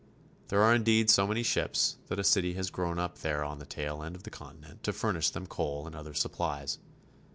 There are indeed so many ships that a city has grown up there on the tail end of the continent to furnish them coal and other supplies.